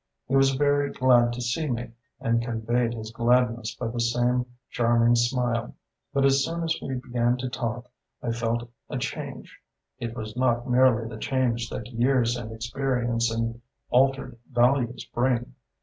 He was very glad to see me and conveyed his gladness by the same charming smile; but as soon as we began to talk I felt a change. It was not merely the change that years and experience and altered values bring.